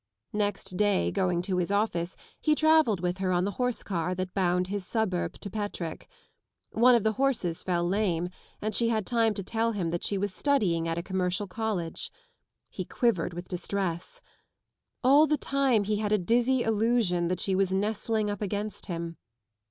Next day, going to his office, he travelled with her on the horse car that bound his suburb to Petrick. One of the horses fell lame, and she had time to tell him that she was studying at a commercial college. He quivered with distress. AH the time he had a dizzy illusion that she was nestling up against him.